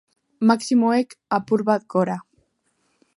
Maximoek, apur bat gora.